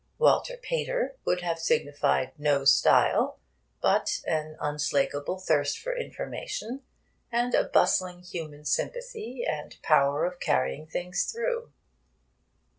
'Walter Pater' would have signified no style, but an unslakable thirst for information, and a bustling human sympathy, and power of carrying things through.